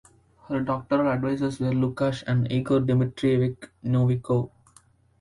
Her doctoral advisors were Lukash and Igor Dmitriyevich Novikov.